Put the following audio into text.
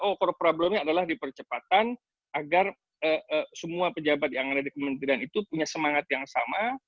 oh core problemnya adalah di percepatan agar semua pejabat yang ada di kementerian itu punya semangat yang sama